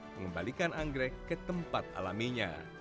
mengembalikan anggrek ke tempat alaminya